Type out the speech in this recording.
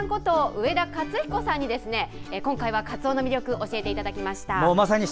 上田勝彦さんに今回はかつおの魅力を教えていただきました。